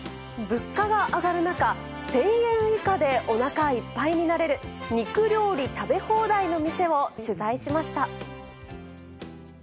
物価が上がる中、１０００円以下でおなかいっぱいになれる肉料理食べ放題の店を取材しました。